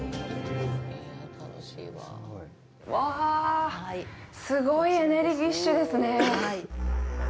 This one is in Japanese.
うわ、すごいエネルギッシュですね。